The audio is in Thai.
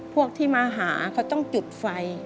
พวกที่มาหาเขาต้องจุดไฟ